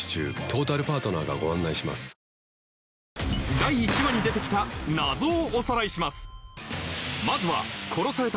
第１話に出てきた「謎」をおさらいします！